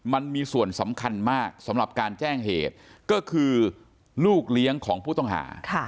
มันมีส่วนสำคัญมากสำหรับการแจ้งเหตุก็คือลูกเลี้ยงของผู้ต้องหา